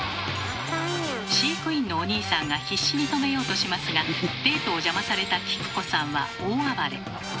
飼育員のおにいさんが必死に止めようとしますがデートを邪魔されたキク子さんは大暴れ。